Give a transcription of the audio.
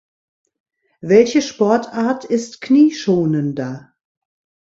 Welche Sportart ist knieschonender?